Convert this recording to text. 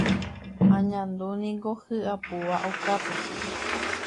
Añandúniko hyapúva okápe.